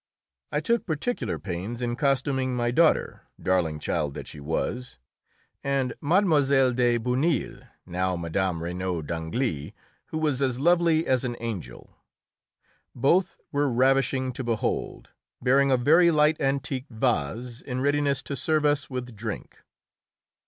I took particular pains in costuming my daughter, darling child that she was, and Mlle. de Bonneuil, now Mme. Regnault d'Angély, who was as lovely as an angel. Both were ravishing to behold, bearing a very light antique vase, in readiness to serve us with drink.